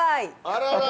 あらら！